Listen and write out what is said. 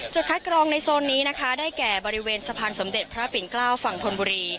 คัดกรองในโซนนี้นะคะได้แก่บริเวณสะพานสมเด็จพระปิ่นเกล้าฝั่งธนบุรี